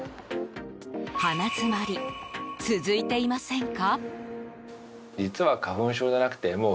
鼻づまり、続いていませんか？